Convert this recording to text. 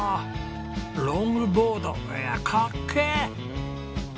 ロングボードかっけえ！